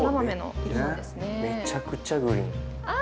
めちゃくちゃグリーン。